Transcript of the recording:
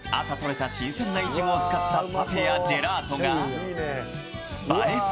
朝とれた新鮮ないちごを使ったパフェやジェラートが映え